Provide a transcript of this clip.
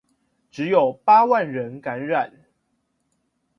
只有八萬人感染